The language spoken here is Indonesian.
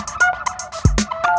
kau mau kemana